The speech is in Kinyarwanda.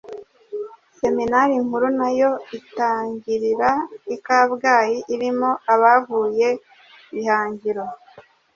Seminari nkuru nayo itangirira i Kabgayi, irimo abavuye i Hangiro